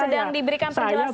sedang diberikan penjelasan dulu